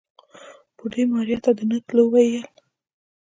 بوډۍ ماريا ته د نه تلو وويل.